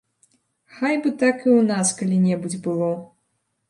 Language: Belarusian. Хай бы так і ў нас калі-небудзь было.